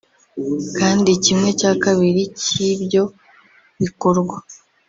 kandi kimwe cya kabiri cy’ibyo bikorwa